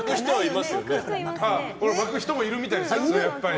巻く人もいるみたいですよ。